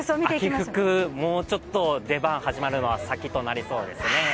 秋服、もうちょっと出番が始まるのは先となりそうですね。